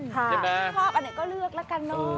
ถ้าชอบอันนี้ก็เลือกแล้วกัน